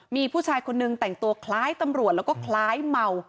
มีผู้ชายคนนึงแต่งตัวคล้ายตำรวจแล้วก็คล้ายเมา